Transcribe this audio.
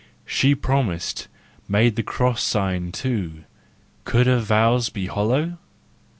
She promised, made the cross sign, too, Could her vows be hollow